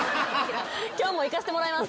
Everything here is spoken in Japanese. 今日もいかせてもらいます。